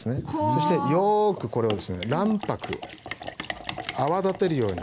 そしてよくこれをですね卵白泡立てるように切っていきます。